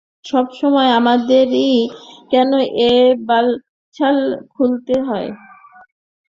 সবসময় আমাদের-ই কেন এই বালছাল খুলতে হয়?